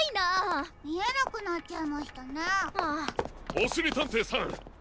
おしりたんていさん